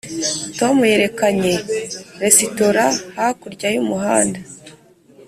tom yerekanye resitora hakurya y'umuhanda.